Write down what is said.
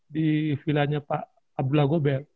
di vilanya pak abdullah gober